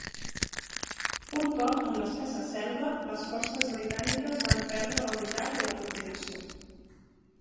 Un cop en l'espessa selva, les forces britàniques van perdre la unitat i la coordinació.